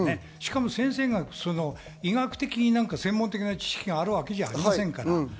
先生は医学的な専門的知識があるわけではありませんから。